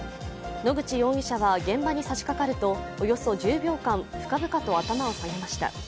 野口容疑者は現場にさしかかるとおよそ１０秒間、深々と頭を下げました。